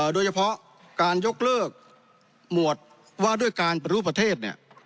โดยเฉพาะการยกเลิกหมวดว่าด้วยการประดูกประเทศ